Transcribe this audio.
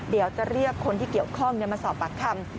เดี๋ยวจะเรียกคนที่เกี่ยวข้องมาสอบปากคำ